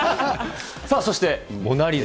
さあそして、モナ・リザ。